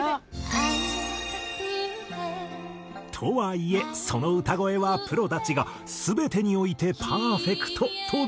「会いたくて」とはいえその歌声はプロたちが全てにおいてパーフェクトと絶賛。